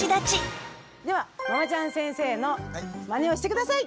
ではママちゃん先生のまねをして下さい！